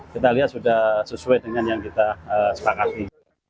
kita lihat sudah sesuai dengan yang kita sepakati